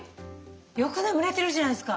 よく眠れてるじゃないですか。